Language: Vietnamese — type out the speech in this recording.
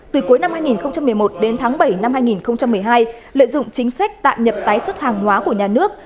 từ cuối năm hai nghìn một mươi một đến tháng bảy năm hai nghìn một mươi hai lợi dụng chính sách tạm nhập tái xuất hàng hóa của nhà nước